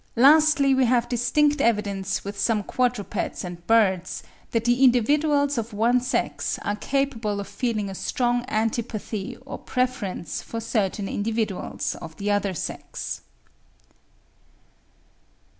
Lastly we have distinct evidence with some quadrupeds and birds, that the individuals of one sex are capable of feeling a strong antipathy or preference for certain individuals of the other sex.